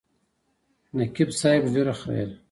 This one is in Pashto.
نقیب صاحب ږیره خریله.